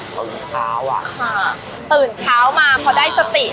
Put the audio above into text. คนนึงค้าวอ่ะค่ะตื่นเช้ามาพอได้สติอร์